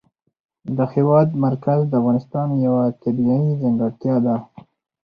د هېواد مرکز د افغانستان یوه طبیعي ځانګړتیا ده.